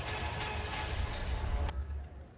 dengan jarak efektif dua ribu meter